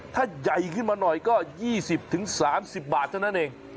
ถ้าใหญ่ขึ้นมาหน่อยก็๒๐๓๐บาทเท่านั้นเอง